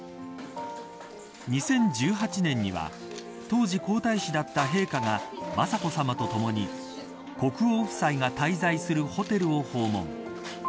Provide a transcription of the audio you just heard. ２０１８年には当時皇太子だった陛下が雅子さまとともに国王夫妻が滞在するホテルを訪問。